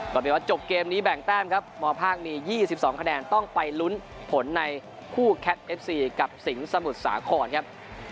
ก็เป็นว่าจบเกมนี้แบ่งแต้มครับมภาคมี๒๒คะแนนต้องไปลุ้นผลในคู่แคทเอฟซีกับสิงห์สมุทรสาครครับ